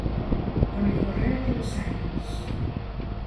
Con el correr de los años